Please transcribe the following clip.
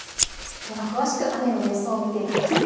では詳しく雨の様子を見ていきます。